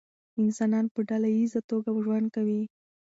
انسانان په ډله ایزه توګه ژوند کوي.